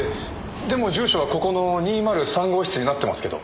でも住所はここの２０３号室になってますけど。